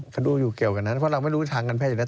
เขาดูอยู่เกี่ยวกับนั้นเพราะเราไม่รู้ทางการแพทย์อยู่แล้ว